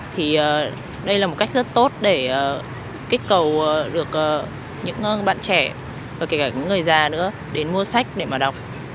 thì đây là một cách rất tốt để kích cầu được những bạn trẻ và kể cả những người già nữa đến mua sách để mà đọc